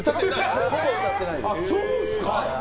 ほぼ歌ってないです。